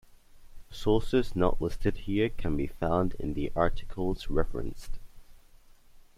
Sources not listed here can be found in the articles referenced.